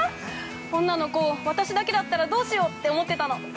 女の子、私だけだったらどうしようって思ってたの。